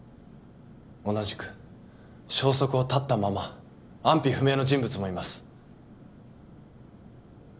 同じく消息を絶ったまま安否不明の人物もいます。